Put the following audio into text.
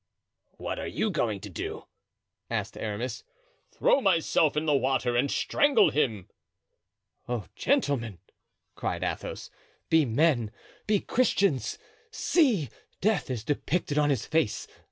"What are you going to do?" asked Aramis. "Throw myself in the water and strangle him." "Oh, gentlemen!" cried Athos, "be men! be Christians! See! death is depicted on his face!